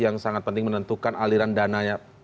yang sangat penting menentukan aliran dananya